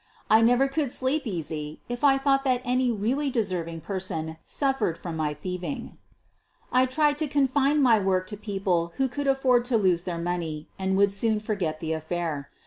I never could sleep easy if I thought that any really deserving person suffered from my thieving. I tried to confine my work to people who could afford to lose their money and would soon 258 SOPHIE LYONS forget tlie affair.